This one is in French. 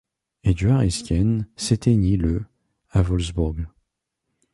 Eduard Isken s'éteignit le à Wolfsbourg.